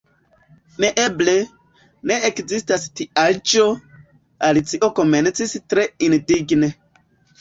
"Neeble, ne ekzistas tiaĵo," Alicio komencis tre indigne.